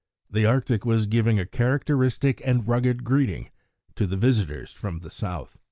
The Arctic was giving a characteristic and rugged greeting to the visitors from the South.